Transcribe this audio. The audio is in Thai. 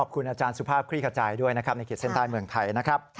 ขอบคุณอาจารย์สุภาพคลี่กระจายด้วยนะครับในเกียรติเซ็นตรายเมืองไทยนะครับ